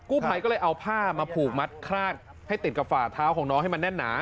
ผู้ภัยก็เลยเอาผ้ามาผูกมัดคราดให้ติดกับฝ่าเท้าของน้องให้มันแน่นหนา